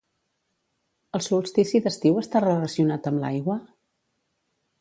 El solstici d'estiu està relacionat amb l'aigua?